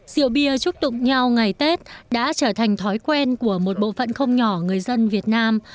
rượu bia chúc tụng nhau ngày tết đã trở thành thói quen của một bộ phận không nhỏ người dân việt nam